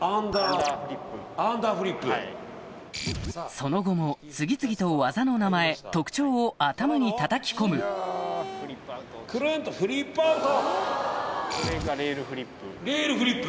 その後も次々と技の名前特徴を頭にたたき込むこれがレイルフリップ。